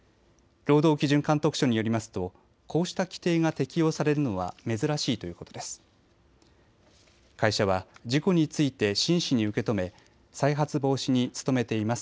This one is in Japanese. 労働基準監督署によりますとこうした規定が適用されるのは珍しいということです。